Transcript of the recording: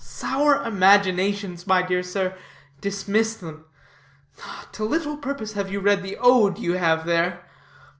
Sour imaginations, my dear sir. Dismiss them. To little purpose have you read the Ode you have there.